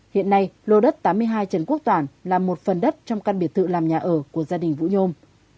hiện nay lô đất tám mươi hai trần quốc toàn là một phần đất trong căn biệt thự làm nhà ở của gia đình vũ nhôm